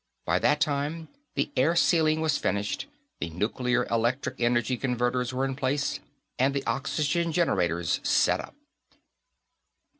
By that time, the airsealing was finished, the nuclear electric energy converters were in place, and the oxygen generators set up.